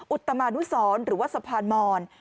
อุตมานุสรหรือว่าสะพานมอน